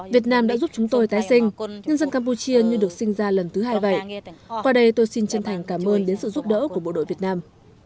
việt nam đã giúp chúng tôi tái sinh nhân dân campuchia như được sinh ra lần thứ hai vậy qua đây tôi xin chân thành cảm ơn đến sự giúp đỡ của bộ đội việt nam